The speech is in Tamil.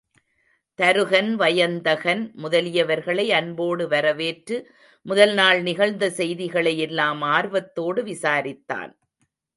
தருகன், வயந்தகன் முதலியவர்களை அன்போடு வரவேற்று முதல் நாள் நிகழ்ந்த செய்திகளை எல்லாம் ஆர்வத்தோடு விசாரித்தான்.